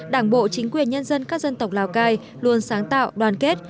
đảng bộ chính quyền nhân dân các dân tộc lào cai luôn sáng tạo đoàn kết